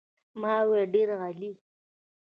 ما وویل ډېر عالي.